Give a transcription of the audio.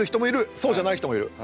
そうじゃない人もいる。